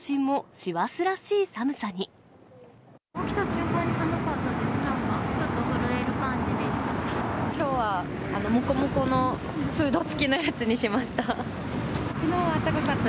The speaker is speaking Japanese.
起きた瞬間に寒かったです、なんか、ちょっと震える感じでした。